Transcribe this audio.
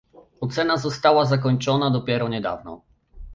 Ocena została zakończona dopiero niedawno